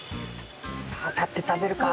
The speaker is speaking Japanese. さあ立って食べるか？